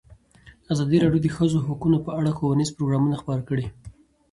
ازادي راډیو د د ښځو حقونه په اړه ښوونیز پروګرامونه خپاره کړي.